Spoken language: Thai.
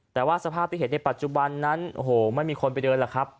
แต่ว่าสภาพที่เห็นในปัจจุบันนั้นโอ้โหไม่มีคนไปเดินหรอกครับ